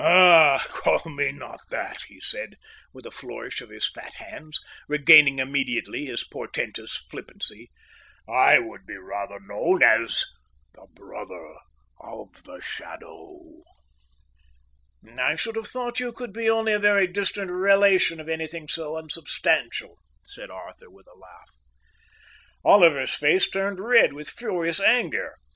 "Ah, call me not that," he said, with a flourish of his fat hands, regaining immediately his portentous flippancy. "I would be known rather as the Brother of the Shadow." "I should have thought you could be only a very distant relation of anything so unsubstantial," said Arthur, with a laugh. Oliver's face turned red with furious anger.